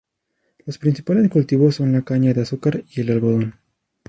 Los principales cultivos son la caña de azúcar y el algodón.